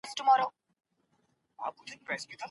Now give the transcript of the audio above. که ارثي عوامل ونه منو ټولنيز علت ګورو.